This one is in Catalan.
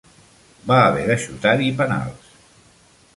Va haver de xutar-hi penals.